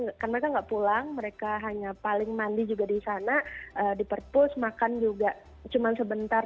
karena mereka nggak pulang mereka hanya paling mandi juga di sana di perpus makan juga cuma sebentar